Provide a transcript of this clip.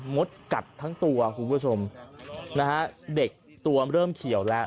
มดกัดทั้งตัวคุณผู้ชมนะฮะเด็กตัวเริ่มเขียวแล้ว